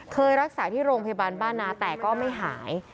เคยรักษาที่โรงพยาบาลบ้านนาแต่ก็ไม่หาย